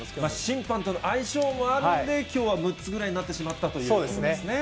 審判との相性もあるんで、きょうは６つぐらいになってしまったということですね。